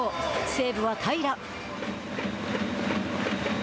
西武は平良。